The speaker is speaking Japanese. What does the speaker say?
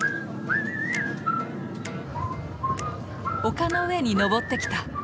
丘の上に上ってきた。